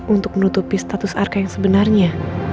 untuk menutupi status arka yang sebenarnya